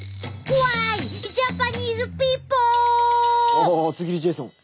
ああ厚切りジェイソン。